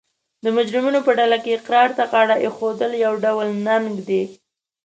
د مجرمینو په ډله کې اقرار ته غاړه ایښول یو ډول ننګ دی